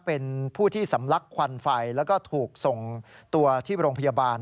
เป็นผู้ที่สำลักควันไฟแล้วก็ถูกส่งตัวที่โรงพยาบาล